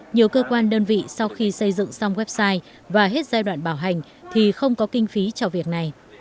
nhiều cơ quan đơn vị sau khi xây dựng xong website và hết giai đoạn bảo hành thì không có kinh phí cho việc này